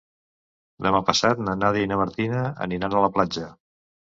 Demà passat na Nàdia i na Martina aniran a la platja.